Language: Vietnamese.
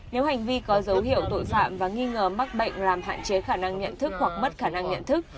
nếu hành vi có dấu hiệu tội phạm và nghi ngờ mắc bệnh làm hạn chế khả năng nhận thức hoặc mất khả năng nhận thức